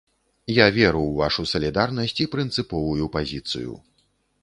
Я веру ў вашу салідарнасць і прынцыповую пазіцыю.